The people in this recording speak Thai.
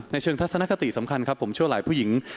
ในเชิงทัศนคติสำคัญผมเชื่อว่าหลายผู้หญิง